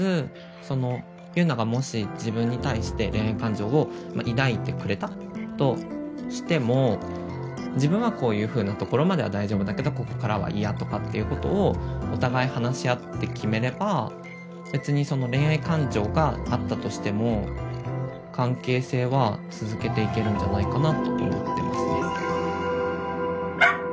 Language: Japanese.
その佑奈がもし自分に対して恋愛感情を抱いてくれたとしても自分はこういうふうなところまでは大丈夫だけどここからは嫌とかっていうことをお互い話し合って決めれば別にその恋愛感情があったとしても関係性は続けていけるんじゃないかなと思ってますね。